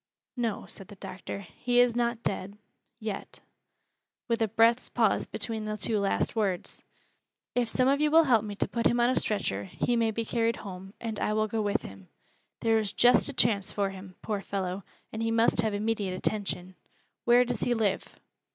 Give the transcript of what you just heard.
"No," said the doctor, "he is not dead yet"; with a breath's pause between the two last words. "If some of you will help me to put him on a stretcher, he may be carried home, and I will go with him. There is just a chance for him, poor fellow, and he must have immediate attention. Where does he live?"